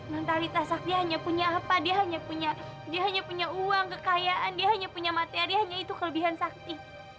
non talitha sakti hanya punya apa dia hanya punya uang kekayaan dia hanya punya materi hanya itu kelebihan sakti